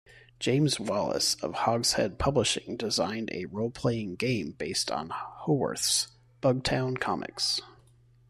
James Wallis of Hogshead Publishing designed a roleplaying game based on Howarth's "Bugtown" comics.